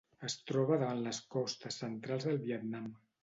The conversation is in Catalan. Es troba davant les costes centrals del Vietnam.